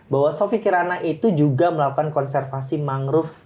bahwa sofi kirana itu juga melakukan konservasi mangrove